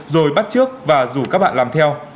rồi bắt trước và rủ các bạn làm theo